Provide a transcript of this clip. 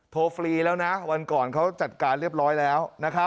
ฟรีแล้วนะวันก่อนเขาจัดการเรียบร้อยแล้ว